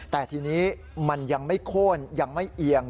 แต่ทีนี้มันยังไม่โค้นยังไม่เอียง